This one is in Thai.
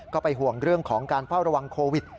ก็ไปห่วงเรื่องของการเฝ้าระวังโควิด